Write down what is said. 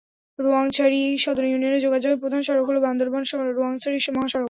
রোয়াংছড়ি সদর ইউনিয়নে যোগাযোগের প্রধান সড়ক হল বান্দরবান-রোয়াংছড়ি সড়ক।